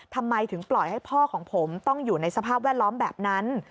ทำไมถึงปล่อยให้พ่อของผมต้องอยู่ในสภาพแวดล้อมแบบนั้น